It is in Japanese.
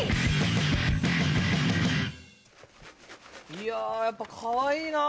いややっぱかわいいな。